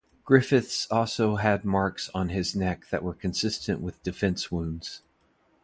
Griffiths also had marks on his neck that were consistent with defence wounds.